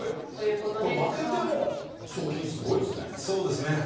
これ負けても、賞金すごいですね。